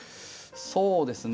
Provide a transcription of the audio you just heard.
そうですね